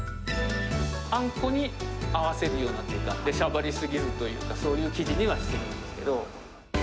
あんこに合わせるようなというか、出しゃばり過ぎずというか、そういう生地にはしてますけど。